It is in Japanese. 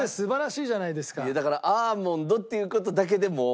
いやだからアーモンドっていう事だけでもう。